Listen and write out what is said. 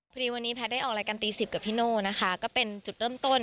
พอดีวันนี้แพทย์ได้ออกรายการตี๑๐กับพี่โน่นะคะก็เป็นจุดเริ่มต้น